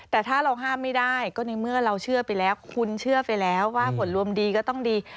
แต่ถ้าเราห้ามไม่ได้ก็ในเมื่อเราเชื่อไปแล้วคุณเชื่อไปแล้วว่าผลรวมดีก็ต้องดี